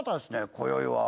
今宵はえ